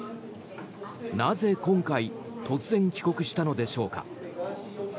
なぜ、今回突然帰国したのでしょうか。